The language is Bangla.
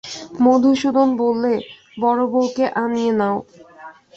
মধুসূদন বললে, বড়োবউকে আনিয়ে নাও।